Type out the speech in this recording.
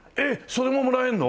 それももらえるの？